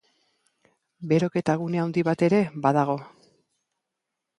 Beroketa gune handi bat ere badago.